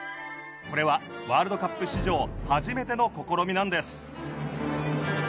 これはワールドカップ史上初めての試みなんです。